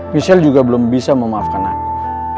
michelle juga belum bisa memaafkan anaknya